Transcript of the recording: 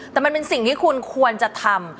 แต่มันเป็นสิ่งที่คุณควรจะทำ